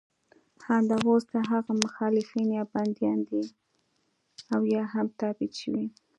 همدا اوس د هغه مخالفین یا بندیان دي او یا هم تبعید شوي.